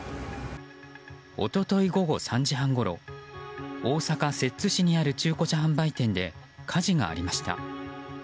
一昨日午後３時半ごろ大阪・摂津市にある中古車販売店で火事がありました。